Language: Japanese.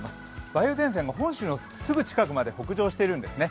梅雨前線が本州のすぐ近くまで北上しているんですね。